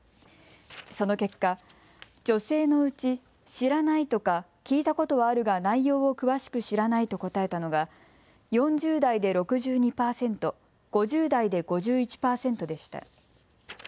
その結果、女性のうち、知らないとか聞いたことはあるが、内容を詳しく知らないと答えたのが、４０代で６２％、５０代で５１％でした。